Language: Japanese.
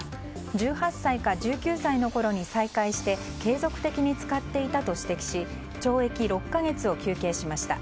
１８歳か１９歳のころに再開して継続的に使っていたと指摘し懲役６か月を求刑しました。